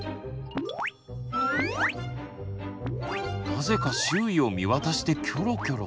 なぜか周囲を見渡してキョロキョロ。